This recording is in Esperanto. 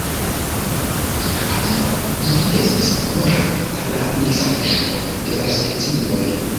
Ankaŭ li estas favora al la miksaĵo de la specioj.